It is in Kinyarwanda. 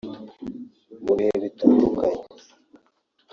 Mu bihe bitandukanye